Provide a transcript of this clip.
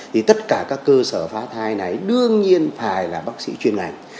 thì tất cả các cơ sở phá thai này đương nhiên phải là bác sĩ chuyên ngành